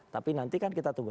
tapi nanti kan kita tunggu